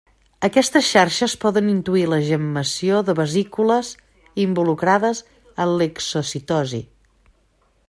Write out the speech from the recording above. Aquestes xarxes poden intuir la gemmació de vesícules involucrades en l'exocitosi.